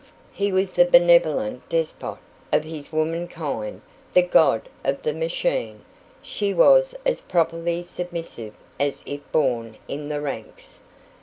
He was the benevolent despot of his women kind the god of the machine; she was as properly submissive as if born in the ranks.